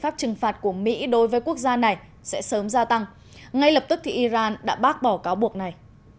trừng phạt của mỹ đối với quốc gia này sẽ sớm gia tăng ngay lập tức thì iran đã bác bỏ cáo buộc này